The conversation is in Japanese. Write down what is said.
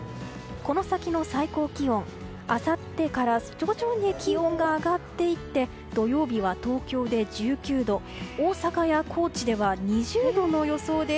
この先の最高気温あさってから徐々に気温が上がっていって土曜日は東京で１９度大阪や高知では２０度の予想です。